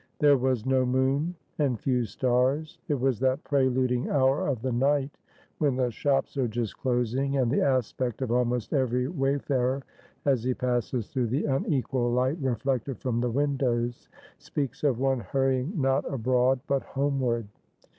There was no moon and few stars. It was that preluding hour of the night when the shops are just closing, and the aspect of almost every wayfarer, as he passes through the unequal light reflected from the windows, speaks of one hurrying not abroad, but homeward.